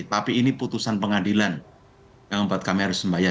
tapi ini putusan pengadilan yang membuat kami harus membayar